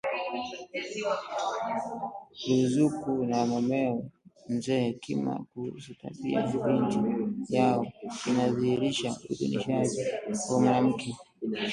Ruzuku na mumewe Mzee Hekima kuhusu tabia ya binti yao inadhihirisha udunishaji wa mwanamke